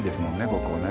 ここね。